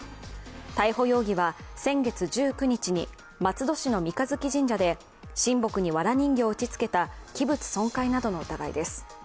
逮捕容疑は先月１９日に松戸市の三日月神社で神木にわら人形を打ちつけた器物損壊などの疑いです。